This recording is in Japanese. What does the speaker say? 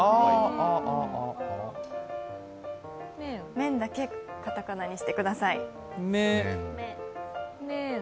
麺だけ片仮名にしてください。